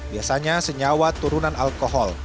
biasanya senyawa turunan alkohol